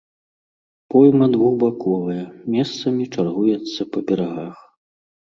Пойма двухбаковая, месцамі чаргуецца па берагах.